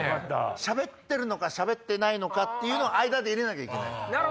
しゃべってるのかしゃべってないのかっていうの間で入れなきゃいけないの。